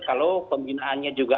kalau pembinaannya juga